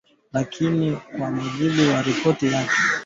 Lakini kwa mujibu wa ripoti ya Benki ya Dunia hayakutosha kuiinua nchi hiyo